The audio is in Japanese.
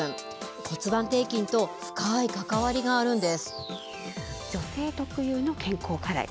骨盤底筋と深い関わりがあるんです。